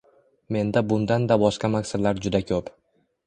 Menda bundanda boshqa maqsadlar juda ko’p.